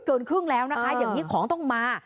เกินครึ่งแล้วนะคะอย่างนี้ของต้องมา